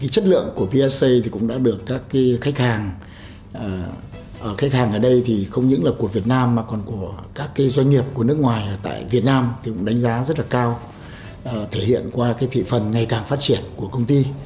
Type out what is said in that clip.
chất lượng của psa cũng đã được các khách hàng khách hàng ở đây thì không những là của việt nam mà còn của các doanh nghiệp của nước ngoài tại việt nam đánh giá rất là cao thể hiện qua thị phần ngày càng phát triển của công ty